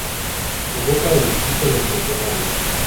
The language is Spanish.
Jugo para el equipo del Centenario.